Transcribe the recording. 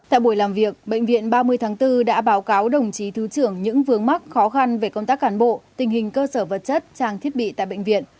tại buổi làm việc bệnh viện ba mươi tháng bốn đã báo cáo đồng chí thứ trưởng những vướng mắc khó khăn về công tác cán bộ tình hình cơ sở vật chất trang thiết bị tại bệnh viện